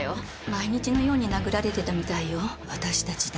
毎日のように殴られてたみたいよ。